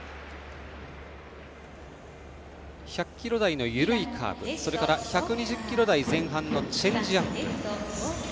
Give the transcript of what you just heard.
１００キロ台の緩いカーブそれから１２０キロ台前半のチェンジアップ。